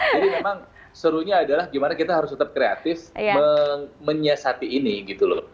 jadi memang serunya adalah gimana kita harus tetap kreatif menyesati ini gitu loh